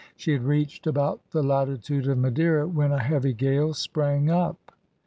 She had reached about the latitude of Madeira, when a heavy gale sprang up.